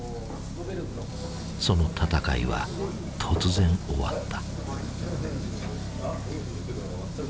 その闘いは突然終わった。